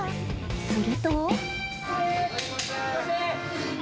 すると？